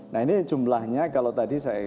nah ini jumlahnya kalau tadi saya